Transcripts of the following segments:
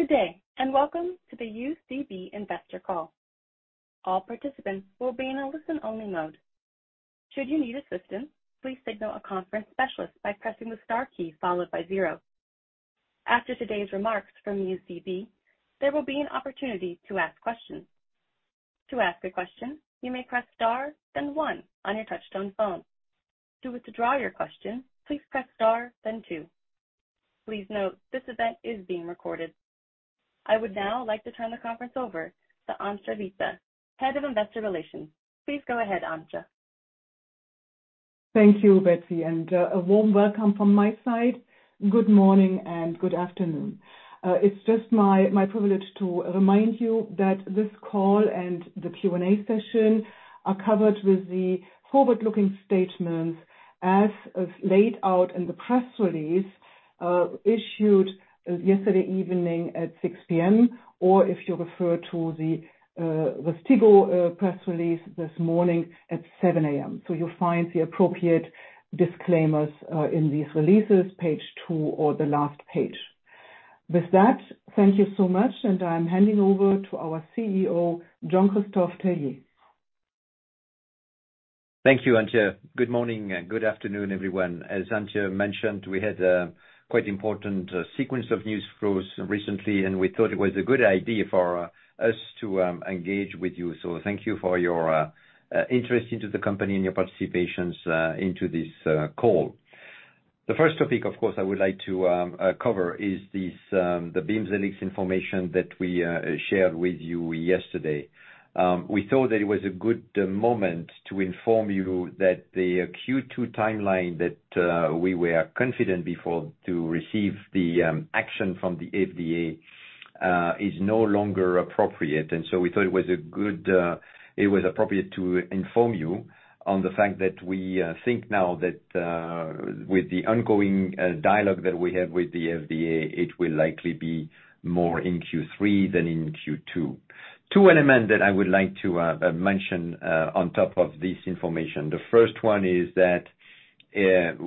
Good day, welcome to the UCB Investor Call. All participants will be in a listen-only mode. Should you need assistance, please signal a conference specialist by pressing the star key followed by zero .After today's remarks from UCB, there will be an opportunity to ask questions. To ask a question, you may press star, then one on your touchtone phone. To withdraw your question, please press star then two. Please note, this event is being recorded. I would now like to turn the conference over to Antje Witte, Head of Investor Relations. Please go ahead, Antje. Thank you, Betsy, and a warm welcome from my side. Good morning and good afternoon. It's just my privilege to remind you that this call and the Q&A session are covered with the forward-looking statements, as is laid out in the press release issued yesterday evening at 6:00 A.M., or if you refer to the RYSTIGGO press release this morning at 7:00 A.M. You'll find the appropriate disclaimers in these releases, page two or the last page. With that, thank you so much, and I'm handing over to our CEO, Jean-Christophe Tellier. Thank you, Antje. Good morning and good afternoon, everyone. As Antje mentioned, we had a quite important sequence of news flows recently and we thought it was a good idea for us to engage with you. So thank you for your interest into the company and your participations into this call. The first topic, of course, I would like to cover is this, the BIMZELX information that we shared with you yesterday. We thought that it was a good moment to inform you that the Q2 timeline that we were confident before to receive the action from the FDA is no longer appropriate and so, we thought it was a good. It was appropriate to inform you on the fact that we think now that with the ongoing dialogue that we have with the FDA, it will likely be more in Q3 than in Q2. Two element that I would like to mention on top of this information. The first one is that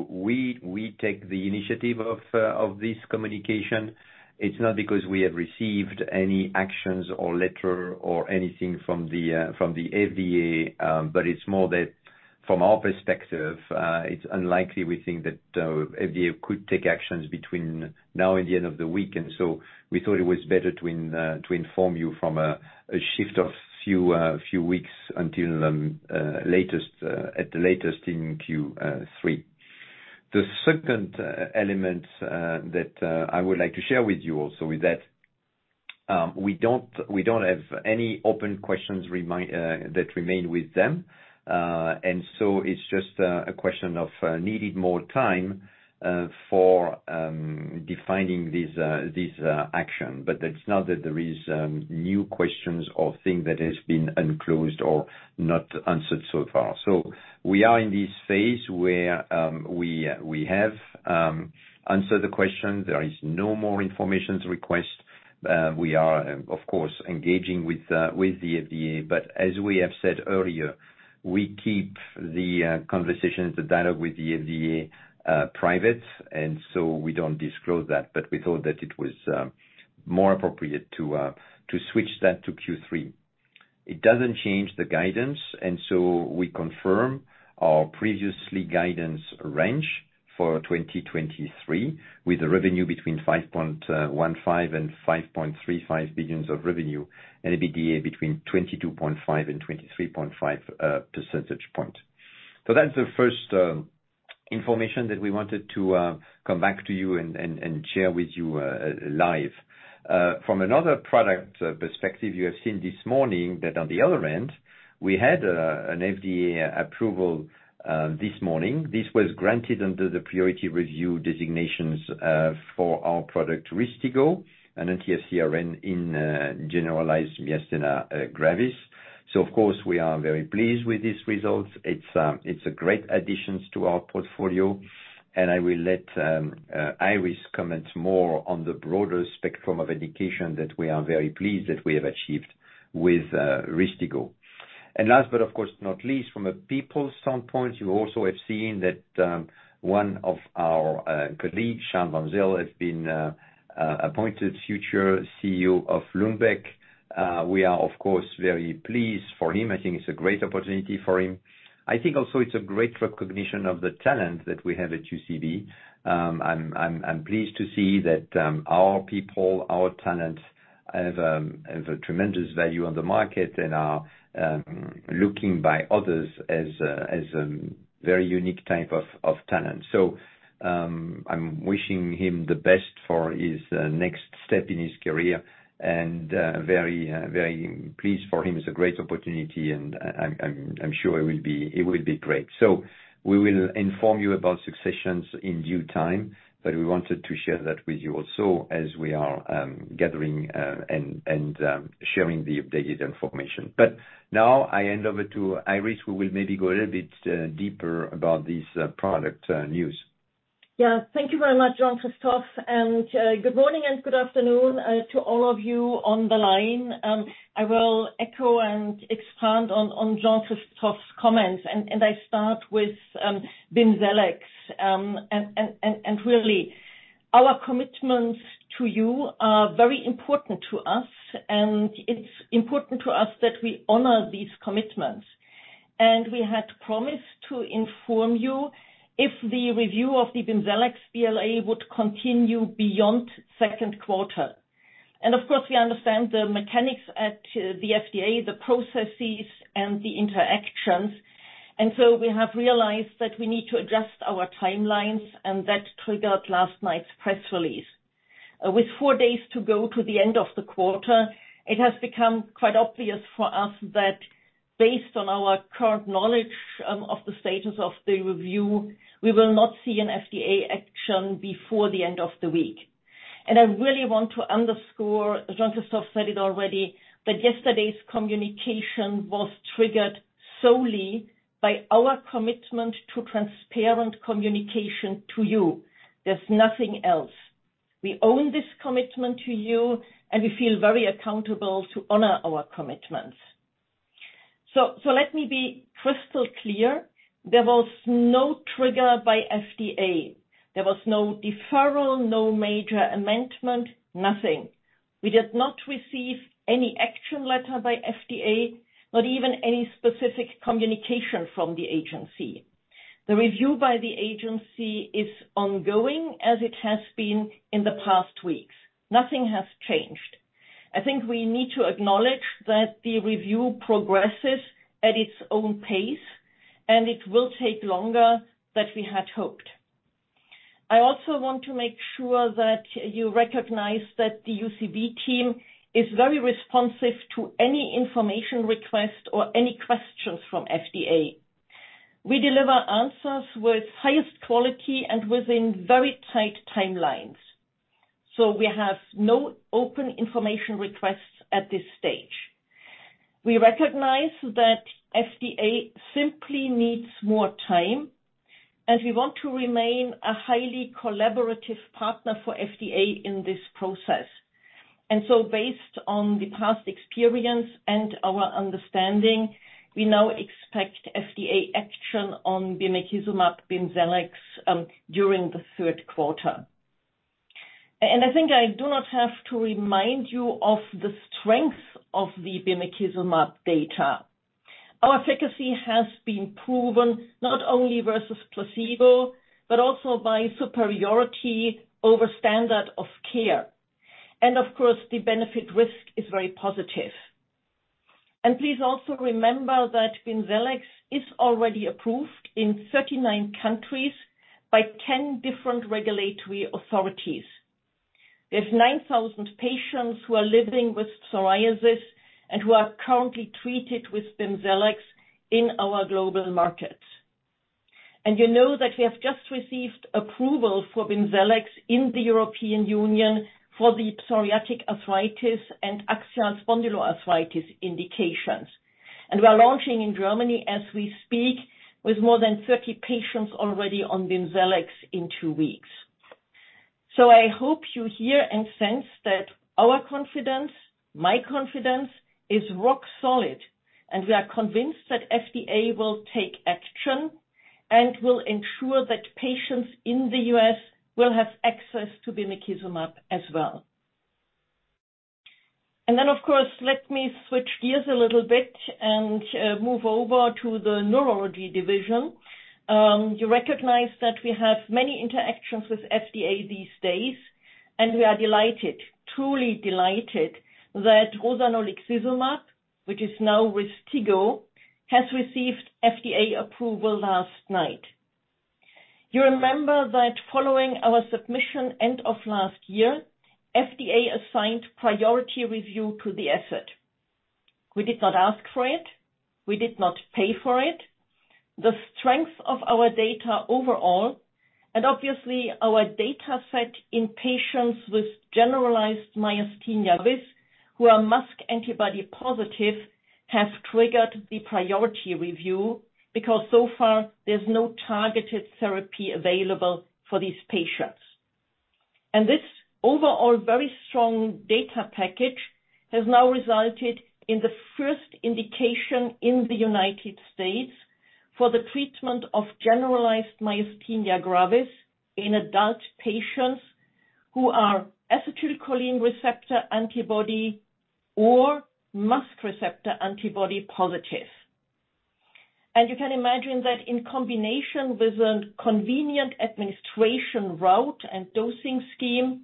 we take the initiative of this communication. It's not because we have received any actions or letter or anything from the FDA, but it's more that, from our perspective, it's unlikely, we think that FDA could take actions between now and the end of the week. So we thought it was better to inform you from a shift of few weeks until latest at the latest in Q3. The second element that I would like to share with you also is that we don't have any open questions that remain with them; so it's just a question of needing more time for defining this this action but it's not that there is new questions or thing that has been unclosed or not answered so far. We are in this phase where we have answered the question, there is no more information request; we are, of course, engaging with the FDA, but as we have said earlier, we keep the conversations, the dialogue with the FDA private and so we don't disclose that we thought that it was more appropriate to to switch that to Q3. It doesn't change the guidance; and so we confirm our previously guidance range for 2023, with a revenue between 5.15 billion and 5.35 billion of revenue, and EBITDA between 22.5 percentage point and 23.5 percentage point. That's the first information that we wanted to come back to you and share with you live. From another product perspective, you have seen this morning that on the other end, we had an FDA approval this morning; this was granted under the priority review designations for our product RYSTIGGO, an anti-FcRn in Generalized Myasthenia Gravis (gMG). Of course, we are very pleased with these results. It's a great additions to our portfolio, and I will let Iris comment more on the broader spectrum of education that we are very pleased that we have achieved with RYSTIGGO. Last but of course not least, from a people standpoint, you also have seen that one of our colleagues, Charles van Zyl, has been appointed future CEO of Lundbeck. We are of course, very pleased for him. I think it's a great opportunity for him. I think also it's a great recognition of the talent that we have at UCB. I'm pleased to see that our people, our talent have a tremendous value on the market and are looking by others as a very unique type of talent. I'm wishing him the best for his next step in his career and very pleased for him. It's a great opportunity, and I'm sure it will be great. We will inform you about successions in due time, but we wanted to share that with you also as we are gathering and sharing the updated information. Now I hand over to Iris, who will maybe go a little bit deeper about this product news. Yeah. Thank you very much, Jean-Christophe; and good morning and good afternoon to all of you on the line, I will echo and expand on Jean-Christophe's comments and I start with BIMZELX. Really, our commitments to you are very important to us, and it's important to us that we honor these commitments. We had promised to inform you if the review of the BIMZELX BLA would continue beyond second quarter and of course, we understand the mechanics at the FDA, the processes, and the interactions; and so, we have realized that we need to adjust our timelines and that triggered last night's press release. With four days to go to the end of the quarter, it has become quite obvious for us that based on our current knowledge of the status of the review, we will not see an FDA action before the end of the week. I really want to underscore, Jean-Christophe said it already, that yesterday's communication was triggered solely by our commitment to transparent communication to you. There's nothing else. We own this commitment to you and we feel very accountable to honor our commitments. Let me be crystal clear. There was no trigger by FDA, there was no deferral, no major amendment, nothing. We did not receive any action letter by FDA, not even any specific communication from the agency. The review by the agency is ongoing as it has been in the past weeks. Nothing has changed. I think we need to acknowledge that the review progresses at its own pace and it will take longer than we had hoped. I also want to make sure that you recognize that the UCB team is very responsive to any information request or any questions from FDA. We deliver answers with highest quality and within very tight timelines. We have no open information requests at this stage. We recognize that FDA simply needs more time and we want to remain a highly collaborative partner for FDA in this process. Based on the past experience and our understanding, we now expect FDA action on bimekizumab, BIMZELX, during the third quarter. I think I do not have to remind you of the strength of the bimekizumab data -- our efficacy has been proven not only versus placebo but also by superiority over standard of care. Of course, the benefit risk is very positive; and please also remember that BIMZELX is already approved in 39 countries by 10 different regulatory authorities. There's 9,000 patients who are living with psoriasis and who are currently treated with BIMZELX in our global markets. You know that we have just received approval for BIMZELX in the European Union for the psoriatic arthritis and Axial Spondyloarthritis (axSpA) indications; and we are launching in Germany as we speak, with more than 30 patients already on BIMZELX in two weeks. I hope you hear and sense that our confidence, my confidence, is rock solid and we are convinced that FDA will take action and will ensure that patients in the U.S. will have access to bimekizumab as well. Of course, let me switch gears a little bit and move over to the neurology division. You recognize that we have many interactions with FDA these days and we are delighted, truly delighted, that Rozanolixizumab, which is now RYSTIGGO, has received FDA approval last night. You remember that following our submission end of last year, FDA assigned priority review to the asset; we did not ask for it, we did not pay for it. The strength of our data overall and obviously, our data set in patients with Generalized Myasthenia Gravis (gMG), who are MuSK (Muscle-Specific Tyrosine Kinase) antibody-positive -- have triggered the priority review because so far there's no targeted therapy available for these patients; and this overall very strong data package has now resulted in the first indication in the United States for the treatment of Generalized Myasthenia Gravis (gMG) in adult patients who are acetylcholine receptor (AChR) antibody or MuSK (Muscle-Specific Tyrosine Kinase) receptor antibody positive. You can imagine that in combination with a convenient administration route and dosing scheme,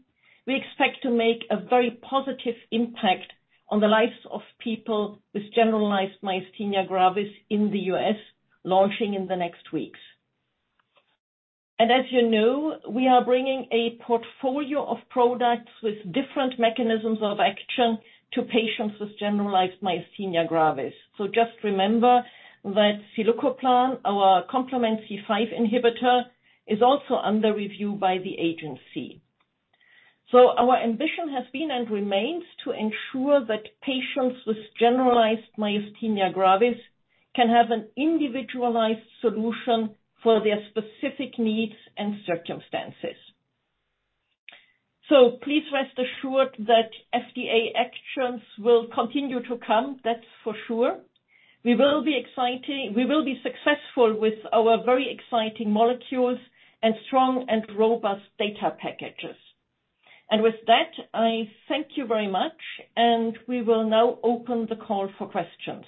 we expect to make a very positive impact on the lives of people with Generalized Myasthenia Gravis (gMG) in the U.S., launching in the next weeks. As you know, we are bringing a portfolio of products with different mechanisms of action to patients with Generalized Myasthenia Gravis (gMG). Just remember that zilucoplan, our complement C5 inhibitor, is also under review by the agency. Our ambition has been and remains to ensure that patients with Generalized Myasthenia Gravis (gMG) can have an individualized solution for their specific needs and circumstances. Please rest assured that FDA actions will continue to come, that's for sure. We will be successful with our very exciting molecules and strong and robust data packages. With that, I thank you very much, and we will now open the call for questions.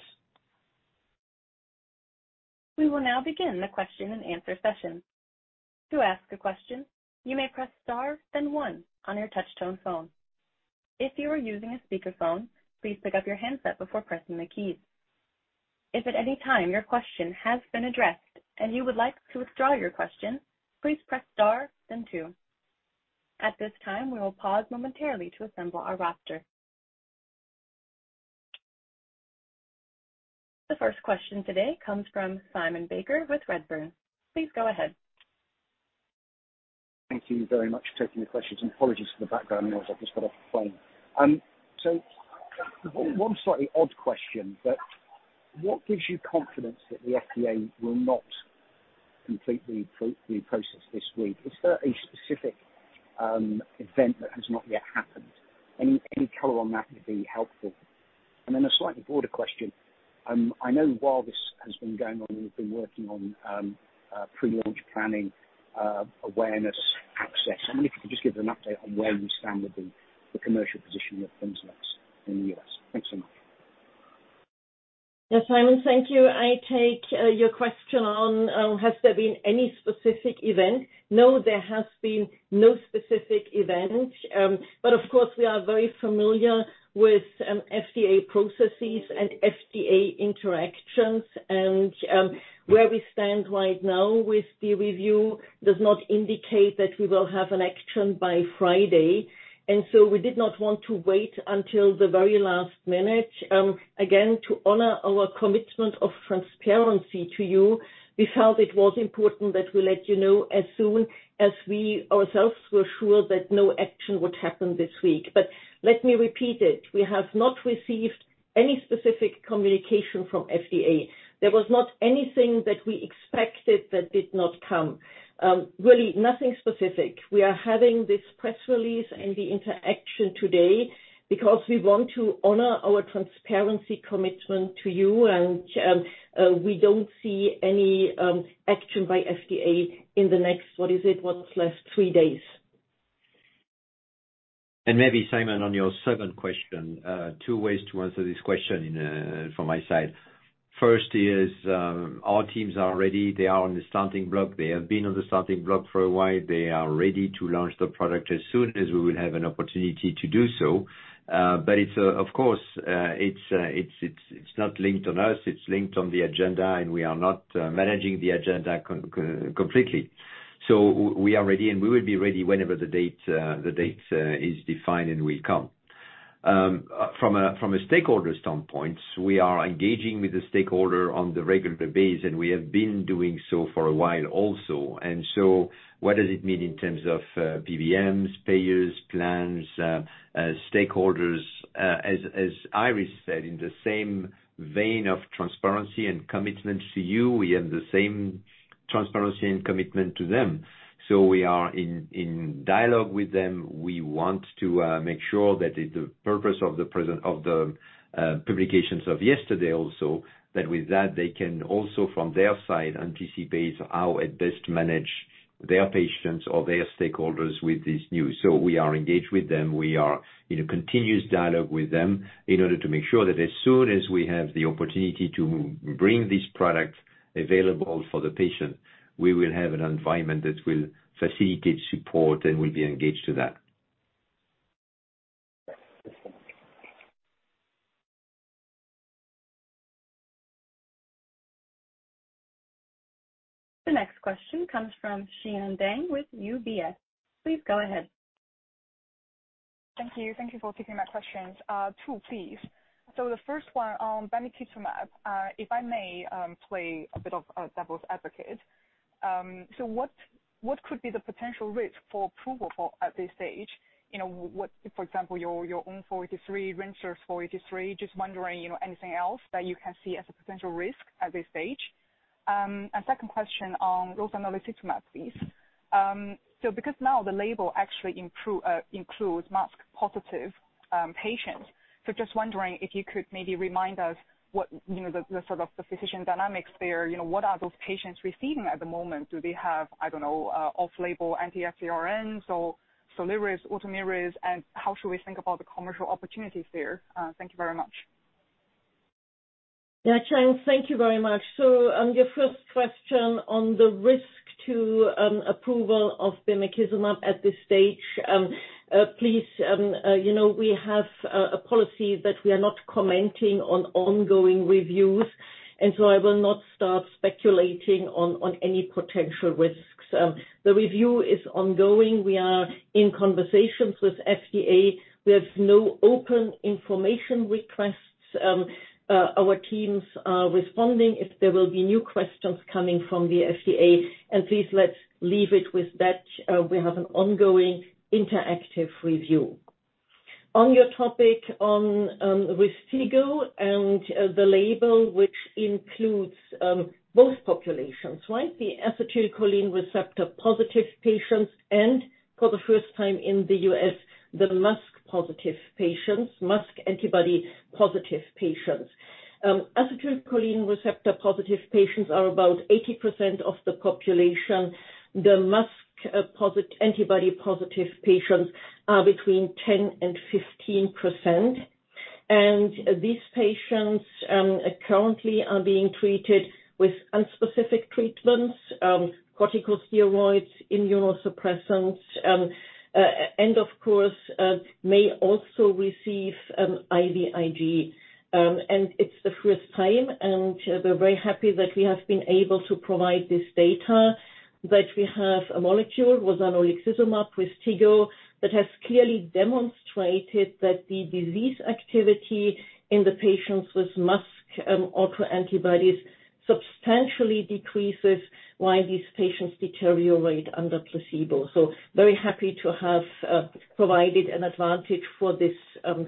The first question today comes from Simon Baker with Redburn. Please go ahead. Thank you very much for taking the questions, and apologies for the background noise. I've just got off the phone. One slightly odd question but what gives you confidence that the FDA will not complete the process this week? Is there a specific event that has not yet happened? Any color on that would be helpful. A slightly broader question. I know while this has been going on, you've been working on pre-launch planning, awareness, access. I wonder if you could just give an update on where you stand with the commercial position with BIMZELX in the U.S.? Thanks so much. Yeah, Simon, thank you. I take your question on has there been any specific event? No, there has been no specific event; of course, we are very familiar with FDA processes and FDA interactions, where we stand right now with the review does not indicate that we will have an action by Friday and so we did not want to wait until the very last minute; again, to honor our commitment of transparency to you, we felt it was important that we let you know as soon as we ourselves were sure that no action would happen this week-- Let me repeat it -- we have not received any specific communication from FDA, there was not anything that we expected that did not come; really nothing specific. We are having this press release and the interaction today because we want to honor our transparency commitment to you and we don't see any action by FDA in the next, what is it? What's left, three days. Maybe, Simon, on your second question, two ways to answer this question in from my side. First is, our teams are ready -- they are on the starting block, they have been on the starting block for a while, they are ready to launch the product as soon as we will have an opportunity to do so; but it's, of course, it's not linked on us, it's linked on the agenda and we are not managing the agenda completely. So we are ready, and we will be ready whenever the date is defined and will come. From a stakeholder standpoint, we are engaging with the stakeholder on the regular basis and we have been doing so for a while also. What does it mean in terms of PBMs, payers, plans, stakeholders? As Iris said, in the same vein of transparency and commitment to you and we have the same transparency and commitment to them; we are in dialogue with them, we want to make sure that the purpose of the publications of yesterday also, that with that, they can also from their side, anticipate how at best manage their patients or their stakeholders with this news so we are engaged with them, we are in a continuous dialogue with them in order to make sure that as soon as we have the opportunity to bring this product available for the patient, we will have an environment that will facilitate support and we'll be engaged to that. The next question comes from Xian Deng with UBS. Please go ahead. Thank you. Thank you for taking my questions. Two, please -- the first one on bimekizumab, if I may play a bit of a devil's advocate; what could be the potential risk for approval at this stage? You know, what, for example, your form 483 [unclear audio], just wondering, you know, anything else that you can see as a potential risk at this stage? Second question on Rozanolixizumab, please --Because now the label actually includes MuSK (Muscle-Specific Tyrosine Kinase) positive patients. Just wondering if you could maybe remind us what, you know, the sort of the physician dynamics there. You know, what are those patients receiving at the moment? Do they have, I don't know, off-label anti-FcRns or Soliris, Ultomiris, and how should we think about the commercial opportunities there? Thank you very much. Yeah, Xian, thank you very much. On your first question on the risk to approval of bimekizumab at this stage, please, you know, we have a policy that we are not commenting on ongoing reviews; I will not start speculating on any potential risks, the review is ongoing -- we are in conversations with FDA, we have no open information requests; our teams are responding if there will be new questions coming from the FDA and please, let's leave it with that; we have an ongoing interactive review. On your topic on RYSTIGGO and the label, which includes both populations, right? The acetylcholine receptor positive patients and for the first time in the U.S., the MuSK (Muscle-Specific Tyrosine Kinase)positive patients, MuSK (Muscle-Specific Tyrosine Kinase) antibody positive patients. Acetylcholine receptor positive patients are about 80% of the population. The MuSK (Muscle-Specific Tyrosine Kinase), antibody-positive patients are between 10% and 15%; and these patients currently are being treated with unspecific treatments, corticosteroids, immunosuppressants, and of course, may also receive IVIG; it's the first time and we're very happy that we have been able to provide this data, that we have a molecule with Rozanolixizumab with RYSTIGGO, that has clearly demonstrated that the disease activity in the patients with MuSK (Muscle-Specific Tyrosine Kinase) auto-antibodies substantially decreases while these patients deteriorate under placebo; very happy to have provided an advantage for this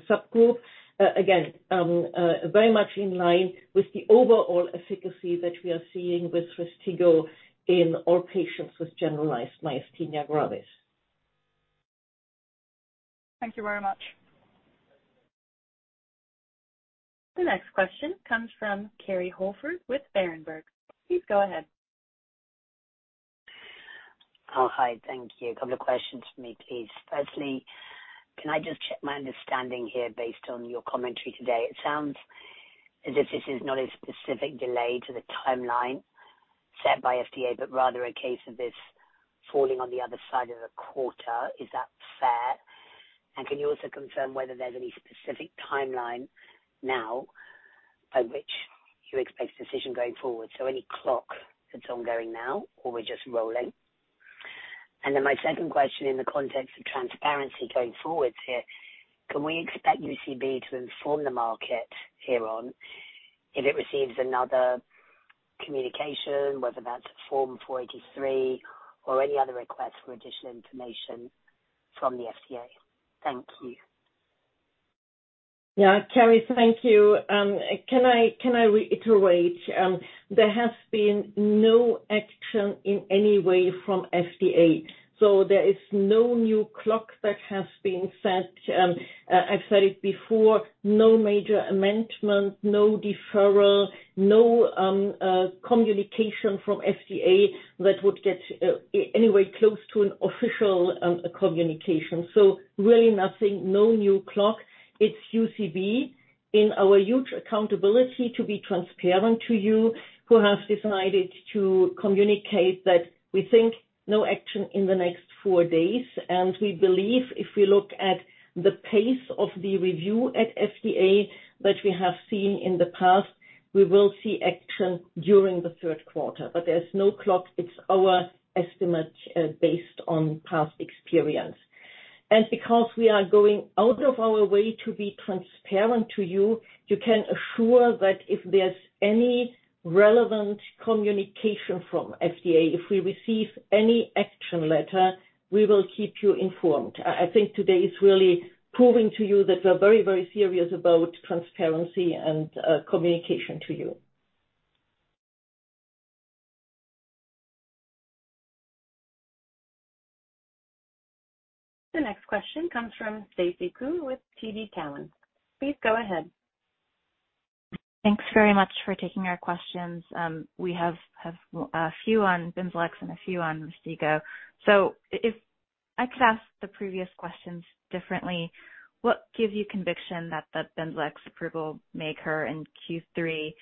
subgroup. Very much in line with the overall efficacy that we are seeing with RYSTIGGO in all patients with Generalized Myasthenia Gravis (gMG). Thank you very much. The next question comes from Kerry Holford with Berenberg. Please go ahead. Hi. Thank you. A couple of questions for me, please. Firstly, can I just check my understanding here based on your commentary today? It sounds as if this is not a specific delay to the timeline set by FDA, but rather a case of this falling on the other side of the quarter. Is that fair? Can you also confirm whether there's any specific timeline now by which you expect a decision going forward? Any clock that's ongoing now or we're just rolling? My second question, in the context of transparency going forwards here, can we expect UCB to inform the market here on if it receives another communication, whether that's a Form 483 or any other request for additional information from the FDA? Thank you. Yeah, Kerry, thank you. Can I reiterate? There has been no action in any way from FDA, so there is no new clock that has been set; I've said it before -- no major amendment, no deferral, no communication from FDA that would get any way close to an official communication; really nothing, no new clock, it's UCB in our huge accountability to be transparent to you who have decided to communicate that we think no action in the next four days; we believe if we look at the pace of the review at FDA which we have seen in the past, we will see action during the third quarter; there's no clock, it's our estimate based on past experience. Because we are going out of our way to be transparent to you can assure that if there's any relevant communication from FDA, if we receive any action letter, we will keep you informed; I think today is really proving to you that we're very very serious about transparency and communication to you. The next question comes from Stacy Ku with TD Cowen. Please go ahead. Thanks very much for taking our questions; we have a few on BIMZELX and a few on RYSTIGGO -- if I could ask the previous questions differently, what gives you conviction that the BIMZELX approval may occur in Q3?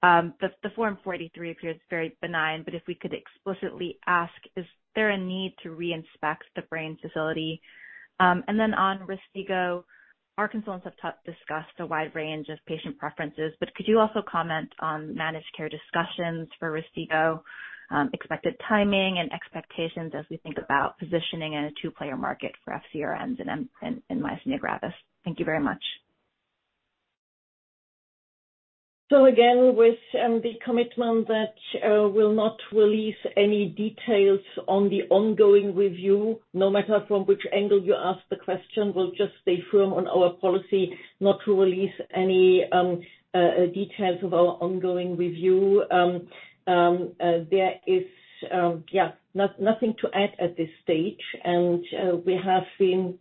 The Form 483 appears very benign, but if we could explicitly ask, is there a need to reinspect the Braine facility? Then on RYSTIGGO, our consultants have discussed a wide range of patient preferences but could you also comment on managed care discussions for RYSTIGGO -- expected timing and expectations as we think about positioning in a two-player market for FcRns and myasthenia gravis? Thank you very much. Again, with the commitment that we'll not release any details on the ongoing review, no matter from which angle you ask the question, we'll just stay firm on our policy not to release any details of our ongoing review; there is nothing to add at this stage. We have been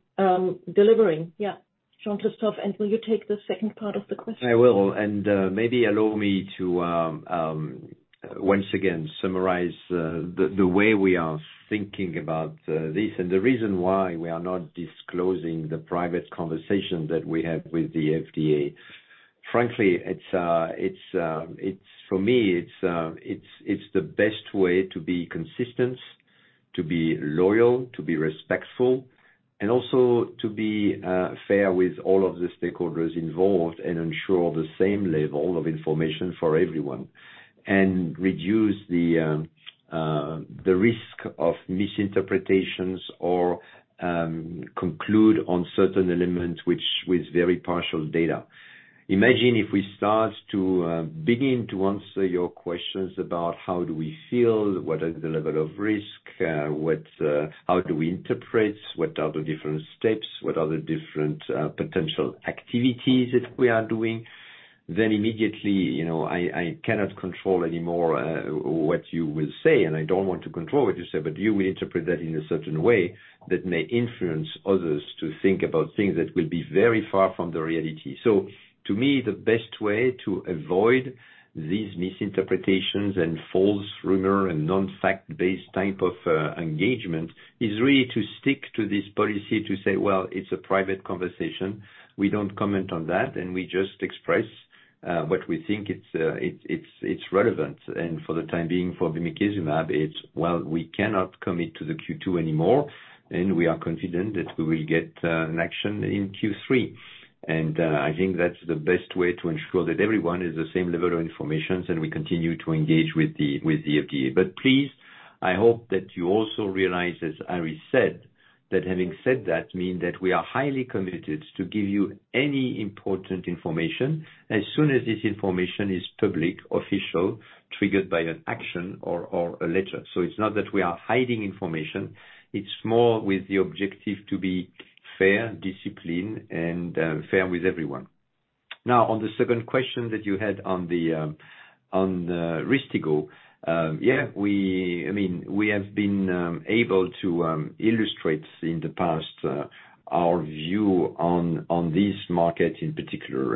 delivering. Yeah. Jean-Christophe, will you take the second part of the question? I will, maybe allow me to once again summarize the way we are thinking about this and the reason why we are not disclosing the private conversation that we have with the FDA; frankly, it's for me, it's the best way to be consistent, to be loyal, to be respectful and also to be fair with all of the stakeholders involved and ensure the same level of information for everyone and reduce the risk of misinterpretations or conclude on certain elements which, with very partial data. Imagine if we start to begin to answer your questions about how do we feel? What are the level of risk? What how do we interpret? What are the different steps? What are the different potential activities that we are doing? Immediately, you know, I cannot control anymore what you will say and I don't want to control what you say, but you will interpret that in a certain way that may influence others to think about things that will be very far from the reality. To me, the best way to avoid these misinterpretations and false rumor and non-fact-based type of engagement, is really to stick to this policy, to say, "Well, it's a private conversation. We don't comment on that," and we just express what we think it's relevant. For the time being, for bimekizumab, it's, well, we cannot commit to the Q2 anymore, and we are confident that we will get an action in Q3. I think that's the best way to ensure that everyone is the same level of information and we continue to engage with the FDA. Please, I hope that you also realize, as Iris said, that having said that, mean that we are highly committed to give you any important information as soon as this information is public, official, triggered by an action or a letter; it's not that we are hiding information, it's more with the objective to be fair, disciplined and fair with everyone. On the second question that you had on the RYSTIGGO, I mean, we have been able to illustrate in the past our view on this market in particular.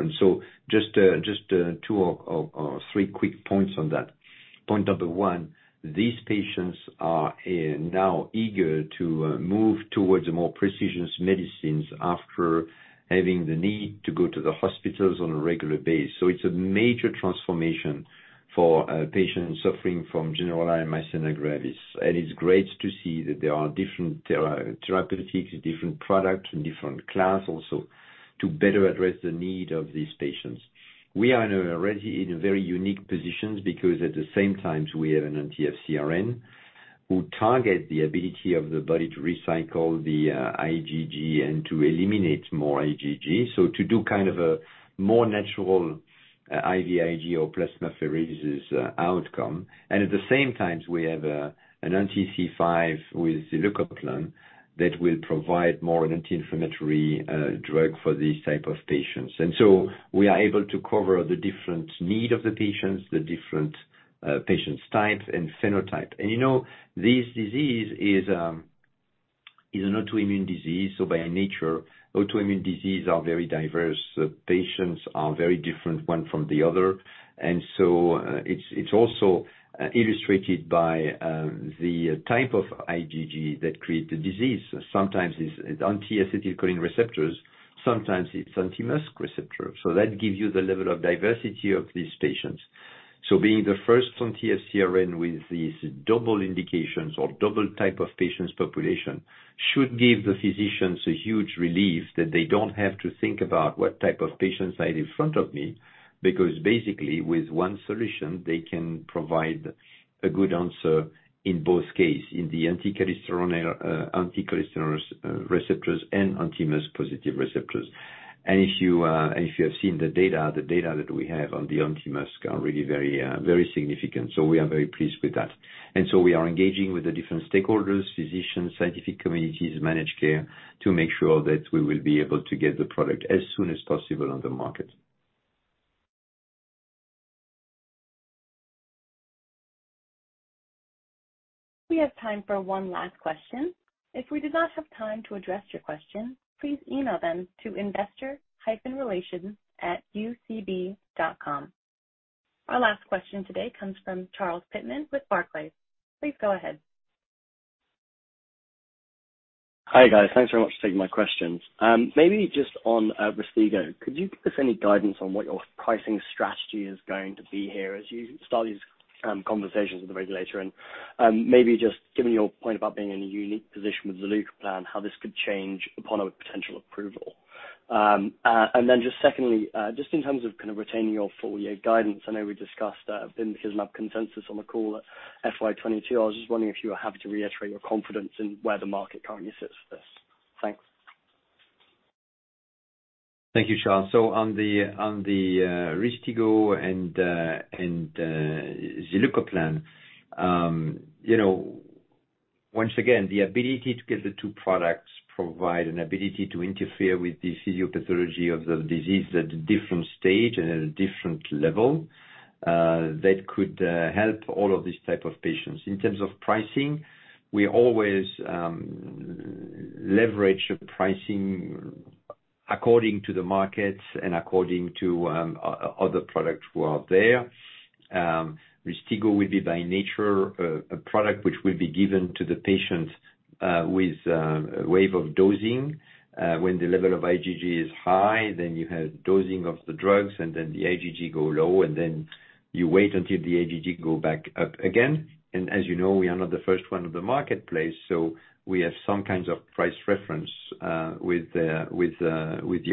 Just two or three quick points on that. Point number one -- these patients are now eager to move towards a more precisions medicines after having the need to go to the hospitals on a regular basis, it's a major transformation for patients suffering from Generalized Myasthenia Gravis (gMG); it's great to see that there are different therapeutics, different products and different class also, to better address the need of these patients. We are already in a very unique positions because at the same time we have an anti-FcRn who target the ability of the body to recycle the IgG and to eliminate more IgG; to do kind of a more natural IVIG or plasmapheresis outcome. At the same time, we have an anti-C5 with Zilucoplan that will provide more anti-inflammatory drug for these type of patients. We are able to cover the different need of the patients, the different patients types and phenotype. You know, this disease is an autoimmune disease, so by nature autoimmune disease are very diverse; the patients are very different, one from the other, so it's also illustrated by the type of IgG that create the disease; sometimes it's anti-acetylcholine receptor, sometimes it's anti-MuSK receptor, so that gives you the level of diversity of these patients. Being the first anti-FcRn with these double indications or double type of patients population, should give the physicians a huge relief that they don't have to think about what type of patients I have in front of me. Basically, with one solution, they can provide a good answer in both case -- in the anti-acetylcholine receptors and anti-MuSK positive receptors. If you have seen the data, the data that we have on the anti-MuSK are really very significant, we are very pleased with that; we are engaging with the different stakeholders, physicians, scientific communities, managed care to make sure that we will be able to get the product as soon as possible on the market. Our last question today comes from Charles Pitman with Barclays. Please go ahead. Hi, guys. Thanks very much for taking my questions. Maybe just on RYSTIGGO, could you give us any guidance on what your pricing strategy is going to be here as you start these conversations with the regulator? Maybe just given your point about being in a unique position with Zilucoplan, how this could change upon a potential approval? Then just secondly, just in terms of kind of retaining your full year guidance, I know we discussed bimekizumab consensus on the call at FY 2022, I was just wondering if you were happy to reiterate your confidence in where the market currently sits for this? Thanks. Thank you, Charles. On the RYSTIGGO and Zilucoplan, you know, once again, the ability to get the two products provide an ability to interfere with the physiopathology of the disease at a different stage and at a different level, that could help all of these type of patients. In terms of pricing, we always leverage pricing according to the markets and according to other products who are there; RYSTIGGO will be, by nature, a product which will be given to the patient with wave of dosing, when the level of IgG is high, then you have dosing of the drugs and then the IgG go low and then you wait until the IgG go back up again. As you know, we are not the first one on the marketplace, so we have some kinds of price reference with the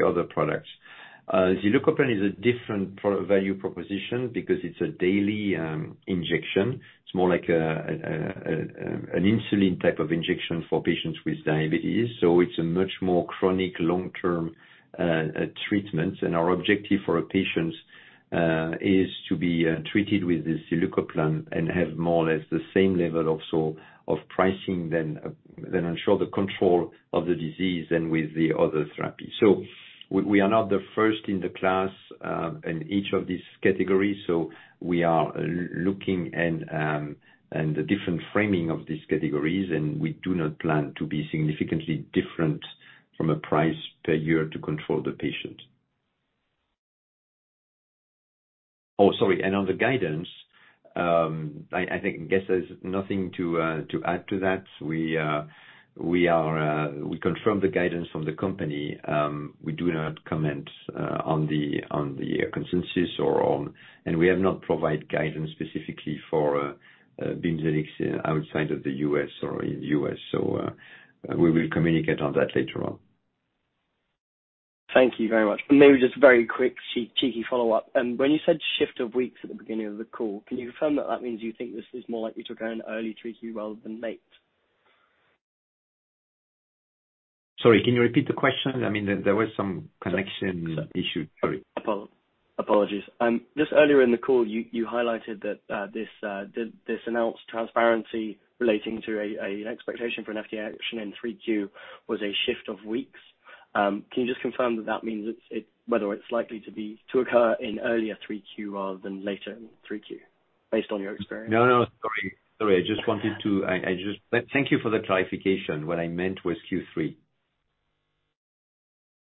other products; Zilucoplan is a different value proposition because it's a daily injection. It's more like an insulin type of injection for patients with diabetes, so it's a much more chronic long-term treatment. Our objective for our patients is to be treated with the Zilucoplan and have more or less the same level also of pricing than ensure the control of the disease than with the other therapy. We are not the first in the class in each of these categories, so we are looking and the different framing of these categories and we do not plan to be significantly different from a price per year to control the patient. Sorry, and on the guidance, I guess there's nothing to add to that, we confirm the guidance from the company; we do not comment on the consensus or we have not provided guidance specifically for BIMZELX outside of the U.S. or in the U.S. We will communicate on that later on. Thank you very much. Maybe just a very quick, cheeky follow-up. When you said shift of weeks at the beginning of the call, can you confirm that that means you think this is more likely to occur in early Q3 rather than late? Sorry, can you repeat the question? I mean, there was some connection issue. Sorry. Apologies. Just earlier in the call, you highlighted that this announced transparency relating to a expectation for an FDA action in Q3 was a shift of weeks. Can you just confirm that that means it's whether it's likely to be to occur in earlier Q3 rather than later in Q3, based on your experience? No, sorry. Sorry, I just wanted to. Thank you for the clarification. What I meant was Q3.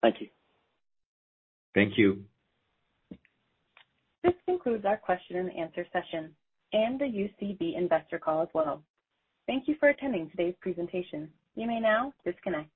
Thank you. Thank you. This concludes our question and answer session, and the UCB investor call as well. Thank you for attending today's presentation. You may now disconnect.